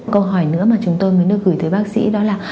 câu hỏi nữa mà chúng tôi mới được gửi tới bác sĩ đó là